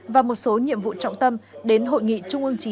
và một số nhiệm vụ trọng tâm đến hội nghị trung ương chín